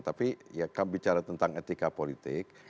tapi ya kan bicara tentang etika politik